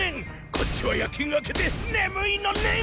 こっちは夜勤明けでねむいのねん！